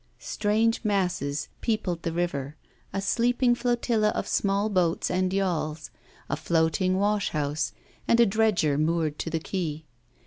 Strange masses peopled the river, a sleeping flotilla of small boats and yawls, a floating washhouse, and a dredger moored to the quay.